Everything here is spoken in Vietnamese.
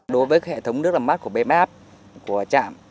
đối với hệ thống nước làm mát của bế bế áp của chạm